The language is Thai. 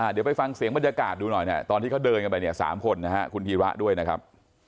เดี๋ยวไปฟังเสียงบรรยากาศดูหน่อยตอนที่เขาเดินกันไปสามคนคุณฮีระด้วยนะครับ